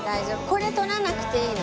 これ取らなくていいの？